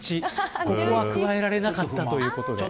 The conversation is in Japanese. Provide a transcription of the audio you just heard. ここは加えられなかったということで。